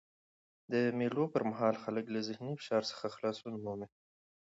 د مېلو پر مهال خلک له ذهني فشار څخه خلاصون مومي.